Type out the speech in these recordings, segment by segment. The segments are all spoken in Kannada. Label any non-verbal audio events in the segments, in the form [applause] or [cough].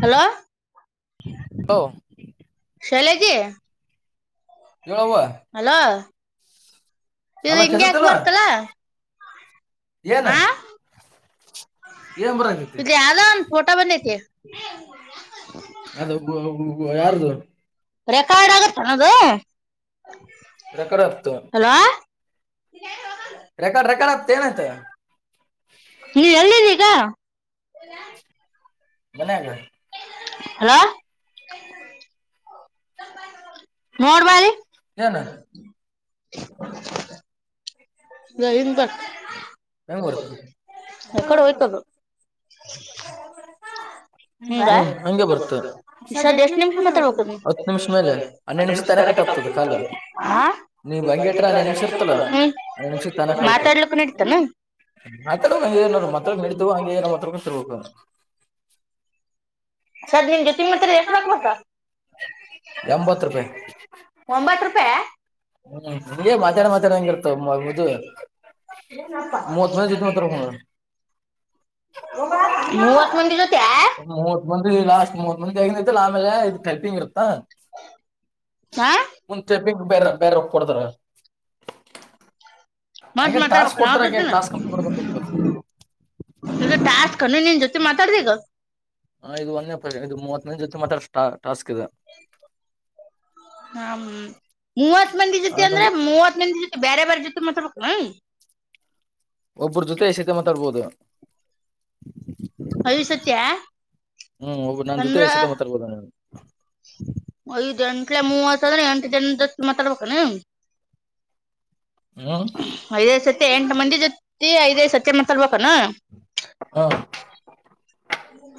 ಹಲೋ ಹ ಶಲೆಗೆ ಹೇಳವ್ವ ಅಲೋ ಇವು ಅಲ್ಲ ಹಿಂಗಗೆ ಯಾಕ್ ಬರ್ತಲ್ಲ ನು ಇೆ ಆದಲನ್ ಫೋಟಾ ಬನೆತ ಹ ಯಾರದುು ರೆಕಾರ್ಡ್ ಆಗತ್ತ ನದು ರಕಗ್ತ ಹ ರೆಕಾರ್ಡ್ ಆತ್ ಏನಾಯ್ತ ನೀ ಎಲ್ಲಿದ್ದೀಗ ಎಲ್ಲ ಮನಾಗ ಹಲೋ ಮೋಡ್ ಬಾರಿ ಏನ ಇ ಹೆಂಗ್ ಬರ್ತ ಒ ಕಡೆ ಹೋ್ತದು ಹಸ ಹಿಂಗ ಹ್ಮ್ ಹಂಗೆ ಬರ್ತ ಸದ್ ಎಷ್ಟ್ ನಿಮಿಷ ಮಾತಾಡ್ಬೇಕು ನೀ ಹತ್ತು ನಿಮಿಷ ಮೇಲೆ ಹನ್ನೆಡು ನಿಮಿಷ ಮ ಕಟ್ಟ ಆಗ್ತದೆ ಕಾಲ ಆ ನೀವು ಹಂಗಗೆಟ್ರ ನ ನಿಮಸ ಇರ್ತಲ್ಲ ಹ್ಮ್ ಅ ನಿಸ ತಾನೇ ಮಾತಾಡ್ಲಿಕ್ ಕಲ್ಕು್ತನ ನಡೀತಾನ ಮತ್ರಳ ನಡತವ ಹಂಗ ಹಾ ಸ ನಿಮಗೆತಿ ಮತ್ತ ಎಷ್ಟ ರಕ್ಬೇಕಸ ಎಂಬತ್ ರೂಪಾಯಿ ಒಂಬತ್ತು ರೂಪಾಯ ಹ್ಮ್ ನಿಗೆ ಮಾತಾಡ ಮಾತಾಡ ಹಂಗಿ ಇರ್ತದು ಮತ್ ಮ ಜತ್ರ ಹಣ ಮೂವತ್ ಮಂದಿ ಜೊತೆ [inaudible] ಒಂದ ಲಾಸ್ಟ್ ಮೂವತ್ ಮಂದಿ ಆಗಿೈಐತ್ತು ಆಮೇಲೆ ಇದು ತಪಂಗಿತ್ತೆ ಹ ಹಾ ಮುಚೆ ಬೇರೆ ಬೇರೆ ಒ ಕೊಡ್ತಾರ ಮ ಹಂಗೆ ಮಾತ್ರ ಟಾಸ್ಕ್ ಕೊಡ್ತಾರ ಹಾಗೆ ಟಾಸ್ಕ್ ಕಂಪ್ಲೀಟ್ ಮಾಡ್ಕೊಂತ ಹೋಗ್ಬೇಕು ಬಾವತ ಸ್ ಕಣ ನೀನ್ ಜೊತೆ ಮಾತಾಡ್ದಿಗ ಹಾ ಇದು ಒಂದೇ ಪ ಇದು ಮೂವತ್ತನೇ ಜೊತೆ ಮಾತ್ರ ಟಾಸ್ಕ್ ಇದೆ ಹ ಮೂವತ್ ಮಂದಿ ಜೊತೆ ಅಂದ್ರೆ ಆಮೇಲೆ ಮೂವತ್ ಮಂದಿ ಜೊತೆ ಬೇರೆ ಬೇರೆ ಜೊತೆ ಮಾತಾಬೇಕು ಹ ಒಬ್ಬ್ರ ಜೊತೆ ಸೀತೆ ಮಾತಾಡ್ಬೋದು ಐದ್ ಸತ್ಯ ಹ್ಮ್ ಒಬ್ಬ ನಾನ್ ಜೊತೆ ಅಂದ್ರ ಸತೆ ಮಾತಾರ್ಬೋದ ಇ ಮೂ ವರ್ಸ ಅಟ ಮಾತಬೇಕಬೇಕಾನ ಹ್ಮ್ ಐದೈದು ಸತಿ ಎಂಟು ಮಂದಿ ಜೊತಿ ಐದೈದ್ ಸತಿ ಮಸರ್ಬೇಕಾನ ಹಾ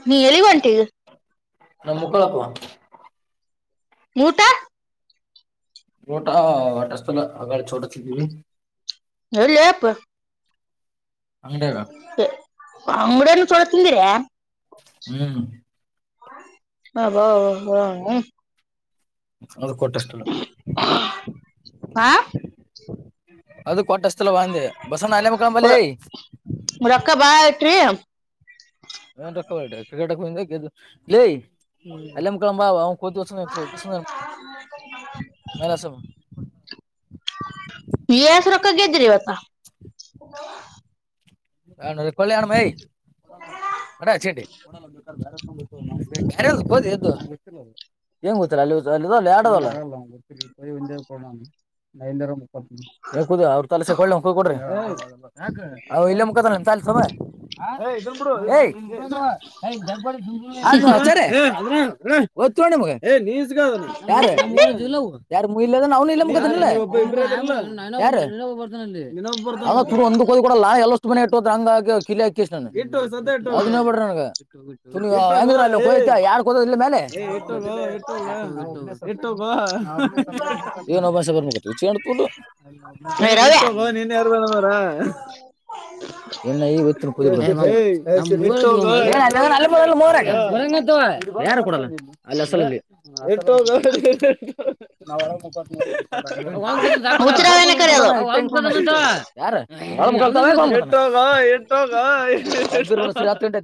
ನೀ ಎಲ್ಲಿ ಬಂಟಿಗ ನಮ್ಮ ಮುಕ್ಕಳಪ್ಪು ಮೂಟ ರೋಟ ಹೊಟಷ್ಟತಲ್ಲ ಹೇಳಪ್ಪ ಅಂಗಡಿಯಾಗ ಅಂಗಡನು ಸೋಡ ತಿಂದಿರ ಹ್ಮ್ ಹಬ ಅದು ಕೊಟ್ಟಷ್ಟಲ್ಲ ಹಾ ಅದು ಕೊಟ್ಟಷ್ಟಲ್ಲ ಅಂದೆ ಬಸಣ್ಣ ಅಲ್ಲೇ ಮಕ್ಕಳಂಬಲೇ ರಕ್ಕಬಷ್ಟೀ ಹ ರ ಕ್ರಿಕ ಹ ಹ್ಮ ಎಮ ಕಳ ಭಾವ ಹ ಕೊೋತಸು ಮ [inaudible] ವಿಸ್ ರಕ್ಕ ಗ್ದ್ರೀವತ್ತ ಹ ಕಲ್ಾಣ ಕ ಎಂ ಹ ಹೋದು ಎ ಂಗ ಗೊತ್ತಲ್ಲ ಅಲ್ಲಿ ಅ ಕುದ ಅವ್ರರು ತಲಸೆಳ್ಳ ಕೊಡ್ರಿ ಇ ಂತ ಸಮೆ ಹ ಮ ನೀ ಯ ಯಾರು ಮುಗಿಲ್ಲ ಅದ್ರ ನನು ಇಲ್ಲ ಮು ಯಾರ ಒಂದಡಾ ಎಲ್ಲ ಮನೆ ಇಟ್ಟುೋದ ಹಂಗ ಹಾಕ ಕಿ ಹಾಕಷ್ಟ ಅದೋಡ ನನ ತ ಯಾರ್ ಕದದ ಮೇಲೆ ಏನ್ ಅ ಭಷ ಬರ್ಬೇಕತ್ತಚಣತ ಎಲ್ಲ ಏ ರವ್ಯ ಇಟ್ಟೋಗೋ ನೀನ್ ಯಾರ ಬಮ್ಮಾರ ಎ್ಣಿತರ ಗತ್ತವ ಯಾರು ಕೊಡಲ್ಲ ಅಲ್ಲಿ ಅಸಲಲ್ಲಿ ಹುಚ್ಚ ರವ್ಯನ ಕರೆಯೋದು ನ ಜ ಡ ಯಾರ ಎೋಗ ಎಂಟೋಗಂಟ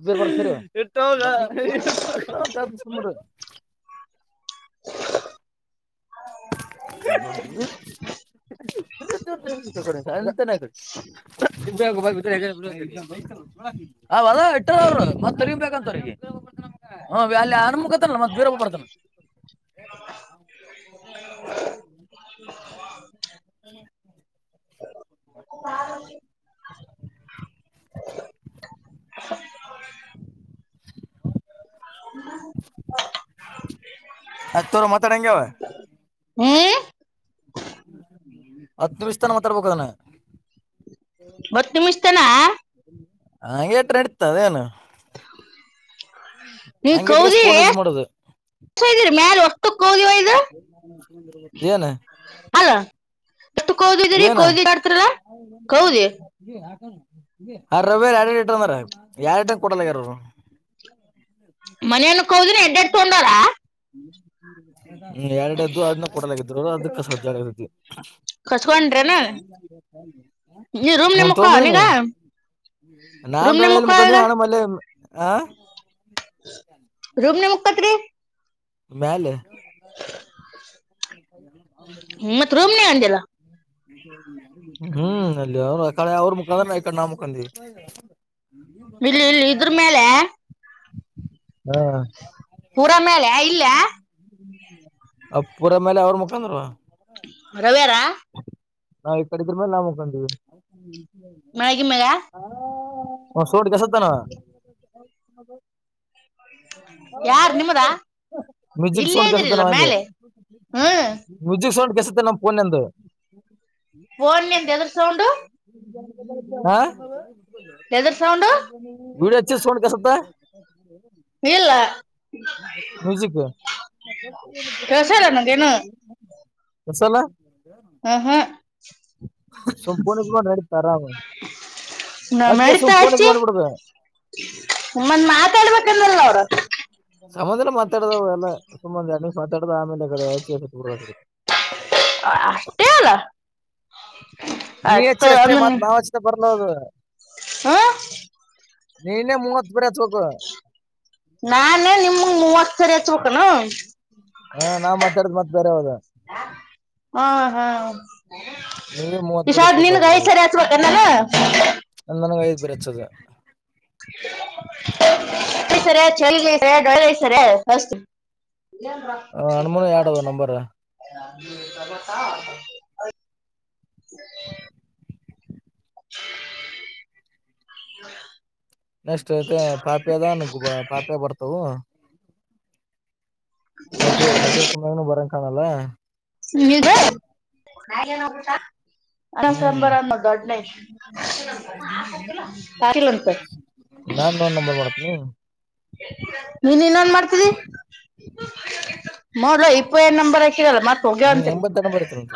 ಹೋಗ ಸುರು [inaudible] ಡ ಇ ಗೋಪಲ್ ಅವದ ಇಟ್ಟ ಅವರು ಮತ್ ತರಿಬೇಕಂತ ಅವ್ರಿಗೆ ಹ ಅಲ್ಲಿ ಅನು ಮುಖತನ ಮತ್ ಬೀರಬ್ಬ ಬರ್ತಾನ [inaudible] [inaudible] [inaudible] ಅ ತೋರ ಮತ ರಂಗೆಾವ ಹ್ಮ ಹತ್ತು ನಿಮಿಷ ತಾನ ಮಾತಾಡ್ಬೇಕ ಅದನ್ನ ಬತ್ತ ನಿ ಮುಿಸ್ತನಾ ಹಗೆ ಎಟ್ರ ಇಡ್ತದೇಏನು ನೀ ಕೌದಿರಿ ಯೂಸ್ ಮಾಡೋದು ಮ್ಯಾಲ ಕೌದಿ ಒಯ್ದು ಅಲ್ಲ [inaudible] ಎಷ್ಟು ಕೌದಿದ್ದೀರಿ ಏನು ಕೌದಿ ಮಾಡಡ್ತರಾ ಕೌದಿ ರವಾರ್ ಎರರ ಐಟರ್ ಅಂದ್ರ ಯಾರ್ಟ ಕೊಡಲ್ಲ ಯಾರರು [inaudible] ಮನೆಯನ ಹೋದ್ರೆ ಎಡ್ಡೆಡ್ ತಗೊಂಡಾರ ಹ್ಮ್ ಎರಡದ್ದು ಅದನ್ನ ಕೊಡಲಾಗಿದ್ರು ಅದಕ್ಕೆ ಸಜ್ಜಗದೊ ಕಸ್ಕೊಂಡ್ರೇನ ನೀ ರೂಮ್ ಹೂ ನಿಮ್ಮಕ್ಕ ತೊಗೊಂಡು ನೀಗ ಬಂದಿನ್ ರೂಮ್ ನಾನಟಳೆಯಲ್ಲಿ ನಿಮ್ಮಕ್ಕ ಈಗ ಮುಗಂದ ಹಾನ ಮಲ್ಲ ಹ [unintelligible] ರೂಮ್ನಾಗ ಮಲ್ಕೊಳ್ತೀರಾ ಮೇಲೆ ಹ [unintelligible] ಅಂದಿಲ್ಲ ಹ್ಮ್ ಅಲ್ಲಿ ಅವ ಆಕಡೆ ಅವ್ರ್ ಮಲ್ಕೊಂಡ್ರೆ ಈ ಕಡೆ ನಾವು ಮಲಗ್ತೀವಿ ಇಲ್ಲಿ ಇಲ್ಲಿ ಇದ್ರ ಮೇಲೆ ಹ್ಮ ಪೂರಾ ಮೇಲೆ ಇಲ್ಲ ಅ ಪುರ ಮೇಲೆ ಅವ್ರ್ ಮಲ್ಕೊಳ್ತಾರೆ ರವಿ ಅವರ ನಾವವು ಈ ಕಡೆ ಇದ್ರ ಮೇಲೆ ನಾವು ಮಲ್ಕೊಳ್ತೀವಿ ಮಳಗಿ ಮೇಲೆಯೇ ಹ ಸೋಟ್ ಕೆಸತಾನ [unintelligible] ಹೌದು ಯಾರ್ ನಿಮ್ಮದ ಹೌದು ಮ್ಯೂಸಿಕ್ ಇಲ್ಲೇ ಸೌಂಡ್ ಇದ್ರಿಲ್ಲ ಕೇಳುತ್ತಾ ಮೇಲೆ ಹ್ಮ್ ಮ್ಯೂಸಿಕ್ ಸೌಂಡ್ ಕೇಳಿಸುತ್ತ ನನ್ನ ಪೋನ್ಡು ಫೋನ್ಆಗ ಎದ್ರ ಸೌಂಡು ಹಾ ಎದ್ರ ಸೌಂಡು ವಿಡಿಯೋ ಹಚ್ಚಿರೊ ಸೌಂಡ್ ಕೇಳಿಸುತ್ತ ಇಲ್ಲಾ ಮ್ಯೂಸಿಕ್ ಕೆಲ್ಸ ಇಲ್ಲ ನಂಗೇನು ಕೆಲಸಲ್ಲ ಹಾ ಹಾ ಸ ಪಣ ನಡತರಾಮ [unintelligible] ನಡೀತಾ ಅಜ್ಜಿ ಒಮ್ಮೆ ಮಾತಾಡ್ಬೇಕಂದಲ್ಲ ಅವರು ಸಮಾಧಾನಕ್ಕೆ ಮಾತಾಡೋದು ಎಲ್ಲಾ ಸುಮ್ಮನೆ [unintelligible] ಹ [inaudible] ನೀ ಹಚ್ಚಿ ರಸ್ತೆ ಮಾತು ನಾವ ಅಚ್ಚಿದರ ಬರಲ್ಲ ಅದು ಹ ನಿನ್ನೆ ಮೂವತ್ ಬೇರೆ ಹಚ್ಬೇಕು ನಾನೇ ನಿಮಗ್ ಮೂವತ್ತು ಸರಿ ಹಚ್ಚಿಬೇಕು ಹಾ ನಾವ್ ಮಾತಾಡದ ಮತ್ ಬೇರೆ ಹಾವದ ಹ್ಮ ಹಾ ನೀವೇ ಮೂವತ್ ಬೇರೆ ಇಶಾದ್ ಹಚ್ಬೇಕು ನಿನ್ಗ ಐ ಒಬ್ರಿಗೆ ಸರಿ ಹಚ್ಬೇಕನ್ನಾನ ನೀ ಹಚ್ಚದೆ [unintelligible] ಇ ಹನುಮನ [inaudible] ಎರಡ್ ಅದ ನಂಬರ್ ಹ [unintelligible] [inaudible] ನೆಕ್ಸ್ಟ್ ಇದೆಲ್ಲ ಆಪ್ ಇದೆ ಆಪಲ್ ಬರ್ತಾವು ಲಟಿಯರ್ ಲಟಿಯರ್ ಕುಮನೂ ಬರಂ ಕಾಣಲ್ಲ ಇದು [inaudible] ಹ್ಮ್ ಹಾಕಿಲ್ಲಂತ ನ ಇನ್ನೊಂದು ನಂಬರ್ ಮಾಡ್ತೀನಿ ನೀನ್ ಇನ್ನೊಂದ್ ಮಾಡ್ತಿದಿ [unintelligible] ಇದೆ ಎರಡ್ ನಂಬರ್ ಹಾಕಿದ್ರೆ ಹ್ಮ್ ಎಂಬತ್ತ ನಂಬರ್ ಐತಂತ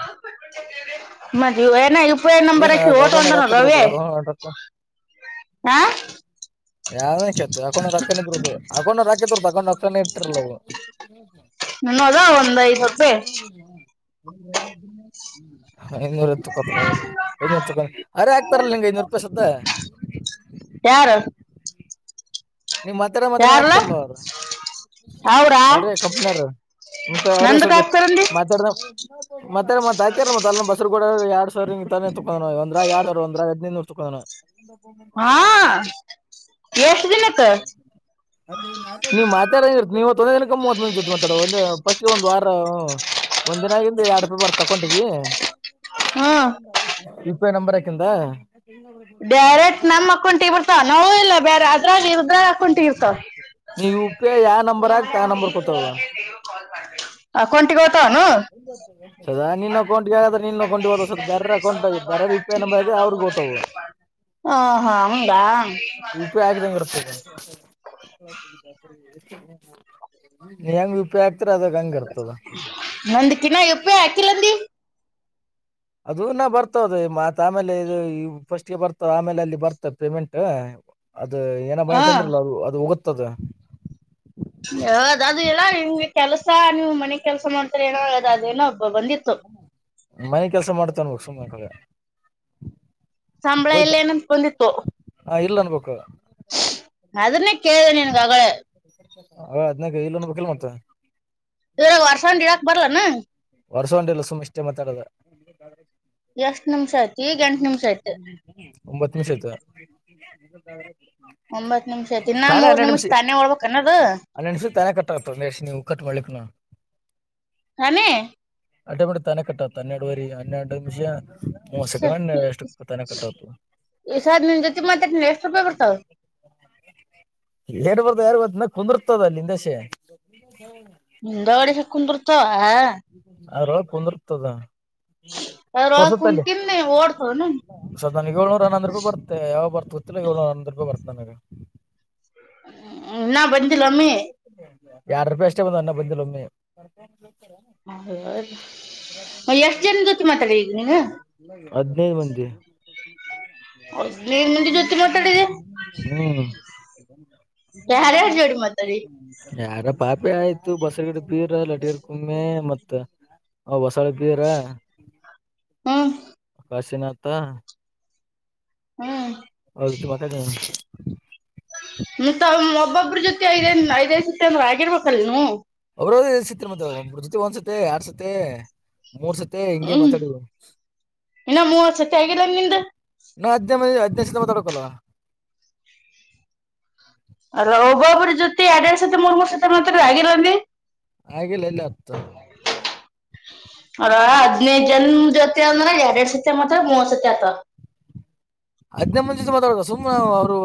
ಏನ್ ಹೋಗ್ತಾ ಅಕೌಂಟ್ ವಂತರೆ ರೊಕ್ಕ ಇದ್ರು ರವಿ ಅಕೌಂಟ್ ರೊಕ್ಕ ಹ ಯಾರ ಕತ್ತ ಹಕೊಂಡ ರಾಕ್ಕ ಇದದದು ಹಕೊಂಡ ರಾಕ ಇದದುದ ಹಕೊಂಡ ತ್ತ ಇತರಲವ ನನ್ನೋದ ಒಂದ್ ಐದ್ ರೂಪಾಯಿ ಹೆಂಗರುತ್ತು ಕೋತಿ ಐದನೂರು ತಕೊಂಡ ಅರೆೇ ಆಗ್ತಾರಲ್ಲ ನಿಂಗೆ ಐದನೂರು ರೂಪಾಯಿ ಸತ್ತ ಯಾರು ನೀಮ್ ಮಾತ್ತಡ ಮಾತ್ರ ಯಾರಲ್ಲ ಹಕ್ತಾರಲ್ಲ ಅವ್ರ ಅವ್ರ ಅವ್ರೇ ಕಂಪನರ್ ಮತ್ತ ಅವ್ರೇ ಸ ನಂದಕ್ ಹಾಕ್ತಾರಂದಿ ಮಾತಾಡ ಮತ್ತೆ ಮತ್ತತ್ ಹಾಕ್ಯಾರ ಮತ್ತ ಅ ಬಸರು ಕೂಡ ಎಡ್ ಸರ್ ನಿಂಗ ತೊಂಡೋ ಒಂದ್ರ ಯಾರ ಒಂದ್ರ ಹದಿನೂ ತಕೋ ಹಾ [unintelligible] ಸ [unintelligible] ನೀವ್ ಮಾತಾಡ ನೀವೊಂದೇ ದಿನಕ ಮೂವತ್ ಜೊತೆ ಮಾತಾಡುವಂದ ಫಸ್ಟ್ ಒಂದ ವಾರ ಒಂದಿನಾಗಿಂದು ಎರಡ್ ರೂಪಿ ಬರ್ತಕ್ಕಂಟಗಿ ಹ್ಮ್ ಇದಕ್ಕೆ ನಂಬರ್ಕಿದು ಡೈರೆಕ್ಟ್ ನಮ್ ಅಕ್ಕೊಂಡಂಟ ಬಿರ್ತ ನೋ ಇಲ್ಲ ಬೇರೆ ಅದ್ರ ಇರುದ್ರ ಹಾಕೌಂಟ ಇರ್ತ ನೀ ಯು ಪಿ ಐ ಯಾ ನಂಬರ್ ಹಾಕ್ತ ಆ ನಂಬರ್ ಕೂತಾವ ಅಕೌಂಟಿಗೆ ಹೊ ಸದಾ ನಿನ್ ಅಕೌಂಟ್ಗೆ ಆದ್ರ ನಿನ್ ಅಕೌಟ್ ಹ ಸ್ವಲ್ ಬೇರೆ ಅಕೌಂಟ್ ಬೇರೆ ರೂಪಿ ನಂಬರ್ ಆಗ್ರೆ ಅವ್ರಿಗೆ ಹತವು ಹ ಹಾ ಹೌದ ರಪಿ ಆಗಿದಂಗಗೆ ಇರ್ತ ನಿ ವಿಪಾಯ ನಂದ ಕಿನ ಯಪ್ಪೆ ಹಾಕಿಲ್ಲಂದಿ ಅದೂ ನ ಬರ್ತಾವದ ಮತ್ ಆಮೇಲೆ ಇದು ಫಸ್ಟ್ ಬರ್ತದ ಆಮೇಲೆ ಅಲ್ಲಿ ಬರ್ತದೆ ಪೇಮೆಂಟ್ ಅದ ಏನ ಬಾಯಿ ಹಾ ತಂದ್ರಲ್ಲ ಅದು ಅದು ಹೋಗುತ್ತದು. ಹೌದ್ ಅದು ಎಲ್ಲಾ ನಿಮಗೆ ಕೆಲ್ಸ ನೀವು ಮನೆ ಕೆಲ್ಸ ಮಾಡ್ ಏನ ಆದ್ ಅದೇನೋ ಬ ಬಂದಿತ್ತು. ಮನೆ ಕೆಲಸ ಮಾಡ್ತೇವೆ ಅನ್ಬೇಕು ಸುಮ್ಮನೆ ಸಂಬಳ ಎಲ್ಲ ಹೋಯ್ತ ಏನಂತ್ ಬಂದಿತ್ತು. ಹಾ ಇಲ್ಲ ಅನ್ಬೇಕು ಅದನ್ನೇ ಕೇಳ್ನೆ ನಿನ್ಗ್ ಅಗಳೆ ಹದ್ನಾಗ ಇಲ್ಲ ಅನ್ಬೇಕಿಲ್ಲ ಮತ್ತ ಇದು ವರ್ಶಾಂದ್ ಇರಾಕ್ ಬರ್ಲಾನ. ವರ್ಷ ಒಂದಿಲ್ಲ ಸುಮ್ ಇಷ್ಟ ಮಾತಾಡದ. ಎಷ್ಟ್ ನಿಮಿಷ ಆಯ್ತು ಈಗ ಎಂಟ ನಿಮಿಷ ಆಯ್ತು ಒಂಬತ್ ನಿಮಿಷ ಆಯ್ತ. ಒಂಬತ್ ನಿಮಿಷ ಐತಿ ಇನ್ನ ಮೂರ್ ನಿಮಿಷ ತಾನೆ ಒಳ್ಬ್ ಹನ್ನೆಸ ತಾನೆ ಕಟ್ ಆತ ನೆಸಿ ನೀವು ಕಟ್ ಮಾಡ್ಲಿಕ್ನ. ನೇ ಅಟೇ ಬಿಡು ತಾನೆ ಕಟ್ಟಾತ್ತು ಹನ್ನೆರಡು ವರಿ ಹನ್ನೆರಡು ನಿಮಿಷ ಮುವತ್ತ್ ಸೆಕೆಂಡ್ ಎಷ್ಟುಕ್ ತಾನೆ ಕಟ್ಟಾತದ. ಈ ಸರ್ ನಿನ್ ಜೊತೆ ಮಾತದ್ನ್ ಎಷ್ಟ್ ರೂಪಾಯಿ ಬರ್ತಾವ್. ಲೇಡಿ ಬರ್ದ ಯಾರು ಬ ನ ಕುಂದಿರ್ತದ ಅಲ್ಲಿಂದೇಸಿ. ಮುಂದಾಡಿದ ಕುಂದುರ್ತ ಆರೋಳಗ್ ಕುಂದುರ್ತದ ಅದ್ರೊಳಗ ತೋರ್ಸತ್ತಲ್ಲಿ. ಕುಂತಿನ್ ಓಡ್ತವನು ಸರ್ ನನ್ಗ್ ಏಳ್ನೂರ ಹನ್ನಂದು ರೂಪಾಯಿ ಬರ್ತೆ ಯಾವ ಬರ್ತ್ ಗೊತ್ತಿಲ್ಲ ಏಳ್ನೂರ್ ಹನ್ನೊಂದ್ ರೂಪಾಯಿ ಬರ್ ನನಗೆ ಹ್ಮ ಇನ್ನ ಬಂದಿಲ್ಲಮ್ಮಿ ಯಾರ್ಡ್ ರೂಪಾಯಿ ಅಷ್ಟೇ ಬಂದ ಇನ್ನ ಬಂದಿಲ್ಲ ಒಮ್ಮೆ. ಆ ಹೊದು ಹದ್ನೈದ್ ಮಂದಿ ಹದಿನೈದು ಮಂದಿ ಜೊತೆ ಮಾತಾಡಿದೆ ಹ್ಮ್ ಯಾರ್ಯರ್ ಜೋಡಿ ಮತ್ ಯಾರ ಪಾಪಿ ಆಯ್ತು ಬಸಗಿದ ಪೀರ ಲಟಿರ್ ಕುಮ್ಮೆ ಮತ್ತ ಹೊಸಳ ಕೀರ ಹ್ಮ್ ಕಾಶೀನಾಥ ಹ್ಮ ಅವ್ರ್ ಜೊತೆ ಮಾತಾಡಿನ್. ಮತ್ತ ಒಬ್ಬೊಬ್ರ್ ಜೊತೆ ಐದ ಐದ್ ಐದ್ ಐದೈಸತಿ ಅಂದ್ರೆ ಆಗಿರ್ಬೇಕಲ್ಲಿ ಹ್ಮ್ ಅವ್ರವ್ರ್ ಎಲ್ ಸಿಕ್ತ್ರ್ ಮತ್ತೆ ಒಬ್ರು ಜೊತೆ ಒಂದ್ಸತಿ ಎರಡ್ ಸತಿ ಮೂರ್ ಸ ತಿ ಹಿಂಗೆ ಹ್ಮ್ ಮಾತಾಡಿದು. ಇನ್ನ ಮೂವತ್ ಸತಿ ಆಗಿಲ್ಲ ನಿಂದು ಇನ್ನು ಹದ್ನೈದ್ ಮಂದಿ ಹದ್ನೈದ್ ಸತಿ ಮಾತಾಡ್ಬಕಲ್ಲ. ಅಲ್ಲ ಒಬ್ಬೊಬ್ರ್ ಜೊತಿ ಏಡೆಡ್ ಸತಿ ಮೂರ್ ಮೂರು ಸತಿ ಮತಾಡಿದ್ರ್ ಆಗಿಲಮ್ಮಿ, ಅಗಿಲ್ ಎಲ್ಲಾತು. ಅವರ ಹದ್ನೈದ ಜನ್ ಜೊತೆ ಅಂದ್ರ ಯಾಡ್ ಎಡ್ ಸತಿ ಮತ್ತ ಮೂವತ್ತ್ ಸತಿ ಆತು. ಹದ್ನನೈದ್ ಮುಂದಿ ಜೊತೆ ಮಾತಾಡ್ಬ ಸುಮ್ನೆ ಅವ್ರು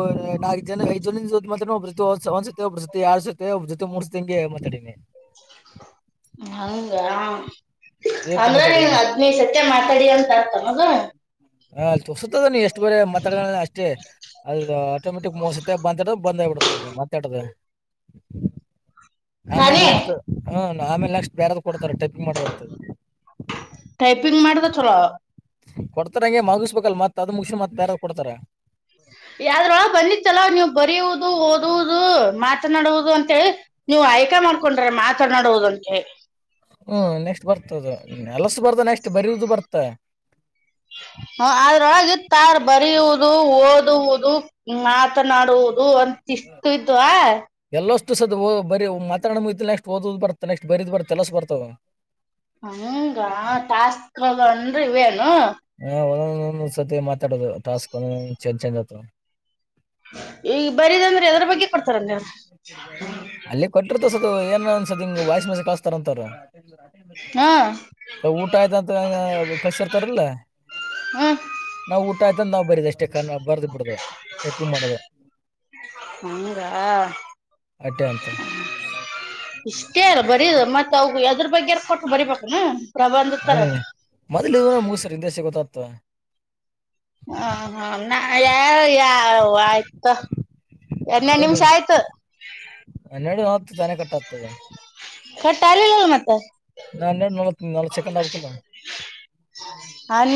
ನಾಲ್ಕ ಜನ ಐದ್ ಜನಿನ್ ಜೊತೆ ಮಾತಾಡ್ಬ ಒಬ್ರು ಒಂದ್ ಸತಿ ಒಬ್ರು ಜೊತೆ ಯಾರ್ಡ್ ಸತಿ ಒಬ್ರು ಜೊತೆ ಮೂರ್ ಸತಿ ಹಿಂಗೆ ಮಾತಾಡಿನಿ. ಹಂಗಾ ಏಕ ಅಂದ್ರ ಮಾತಾಡು ನೀನ್ ಹದ್ನೈದು ಸತಿ ಮಾತಾಡಿಯ ಅಂತಾಯ್ತು [unintelligible] ಹ ಅಲ್ ತೋರ್ಸುತ್ತದ ನೀ ಎಷ್ಟು ಬೇರೆ ಮತಡಿಯ ಅನ್ ಅಷ್ಟೇ. ಅದ ಆಟೋಮೆಟಿಕ್ ಮೋಸತ ಬಂದಾಡ ಬಂದೇ ಬಿಡ್ತದ ಮತ್ತಾಡದೆ. ಆಮೇಲೆ ತಾನೇ ನೆಕ್ಸ್ಟ್ ಹ್ಮ ಆಮೇಲೆ ನೆಕ್ಸ್ ಬ್ಯಾರೆದು ಕೊಡ್ತಾರೆ ಟೈಪಿಂಗ್ ಮಾಡುದಂತದ್- ಟೈಪಿಂಗ್ ಮಾಡಿದ ಚಲೋ ಕೊಡ್ತಾರ ಹಂಗೆ ಮಗಿಸ್ಬೇಕಲ್ ಮತ್ತದು ಮುಗಸುದ್ರ್ ಮತ್ ಬ್ಯಾರೆದ್ ಕೊಡ್ತಾರೆ. ಯದ್ರೊಳಗ್ ಬಂದಿತ್ತಲ್ಲ ನೀವು ಬರೆಯುವುದು ಓದುವುದು ಮಾತನಾಡುವುದು ಅನ್ ನೀವು ಆಯ್ಕೆ ಮಾಡ್ಕೊಂಡ್ರೆ ಮಾತಾನಾಡುವುದಂತೆಳ್ ಹ್ಮ್ ಬರ್ತದ ಎಲ್ಲಸು ಬರ್ತ ನೆಕ್ಸ್ಟ್ ಬರಿಯುದು ಬರ್ತ. ಹ ಅದ್ರೊಳಗೆ ತಾರ್ ಬರೆಯುವುದು ಓದುವುದು, ಮಾತನಾಡುವುದು ಅನ್ ಚಷ್ಟತುತು ಆ ಸ ಬರಿ ಮಾತಡೋ ಮು ನೆಕ್ಸ್ಟ್ ಓದ್ ಬರ್ತ ನೆಕ್ಸ್ಟ್ ಬರೀದ ಬರ್ ಕೆಲಸ ಬರ್ತವೆ ಹಂಗ ಟಾಸ್ಕ್ದನ್ರಿ ಇವೇನು ಹಾ ಸತಿ ಮಾತಾಡೋದು ಟಾಸ್ಕ್ ಒ ಚ ಚಜ್ ಆತ ಈಗ ಬರಿದಂದ್ರೆ ಎದ್ರ ಬಗ್ಗೆ ಕೊಡ್ತಾರ ನೀವ್ರ ಅಲ್ಲಿ ಕೊಟ್ಟರು ಸದು ಏನ್ಸದ ಹಂಗ ವ್ಸ್ ಮ್ಯಸಜ ಕಸ್ತಾರ ಅಂತ ಹಾ ಸ ಊಟ ಆಯ್ತಂತ ರ್ತಾರಲ್ಲ ಹ್ಮ ನಾವು ಊಟ ಆಯ್ತಂದ ನಾ್ ಬರೀದ ಅಷ್ಟೇಣ ಪಾರತಿ ಬಿಡಿದೆ ತಪ್ಪ ಮಾಡದ ಹಂಗಾ ಹ ಅಟ್ಟೆ ಅಂತ ಇಷ್ಟೇ ಅಲ್ಲ ಬರೀ ಮತ್ತ ಅವ ಯದ್ರ ಹ ತರ ಮೊದ್ಲು ಮುಗಸ್ರ ಹಿಂದೆಸ ಗೊತ್ತತ್ ಹ ಹಾ ನಾ ಯಾರ ಯ ಆಯ್ತ ಎರನೇ ಮೊದಲು ನಿಮಿಷ ಆಯ್ತು ನೆರಡು ನವತ್ತು ತನೆ ಕಟ್ಟಾಗ್ತದೆ ಟ್ಟ ಆಲ್ಲಿಲ್ಲಲ್ಲ ಮತ್ತ ನಾನ್ನೆ ನಲ್ ನಾಲ್ಕ ಸೆಕೆಂಡ್ ಆಗ್ಕಲ್ಲ ಹನ್